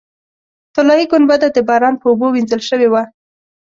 طلایي ګنبده د باران په اوبو وینځل شوې وه.